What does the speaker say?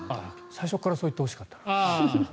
最初からそう言ってほしかった。